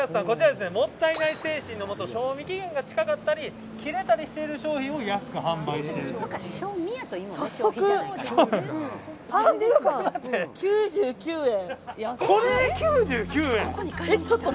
もったいない精神のもと賞味期限が近かったり切れたりしている商品を安く販売していると。